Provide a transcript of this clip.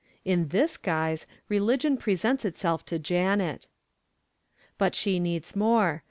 In this guise, religion presents itself to Janet! But she needs more!